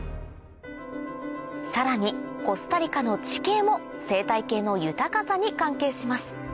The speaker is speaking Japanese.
さらにコスタリカの地形も生態系の豊かさに関係します